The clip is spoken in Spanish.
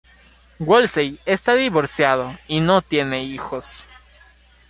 Woolsey está divorciado y no tiene hijos.